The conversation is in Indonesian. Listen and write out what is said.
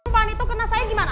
fani itu kena saya gimana